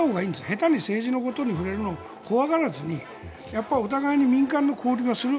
下手に政治のことに触れるのに怖がらずにお互いに民間の交流はする。